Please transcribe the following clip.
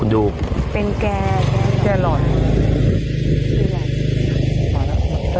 มะนาว